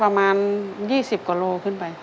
ประมาณ๒๐กว่าโลขึ้นไป